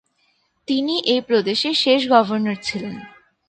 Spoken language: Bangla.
তিনি এই প্রদেশের শেষ গভর্নর ছিলেন।